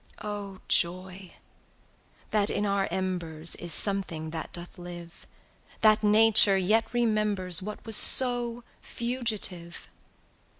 O joy! that in our embers Is something that doth live, 135 That nature yet remembers What was so fugitive!